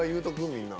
みんな。